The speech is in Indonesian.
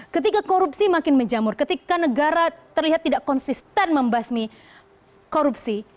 ketika korupsi makin menjamur ketika negara terlihat tidak konsisten membasmi korupsi